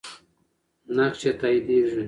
نقش یې تاییدیږي.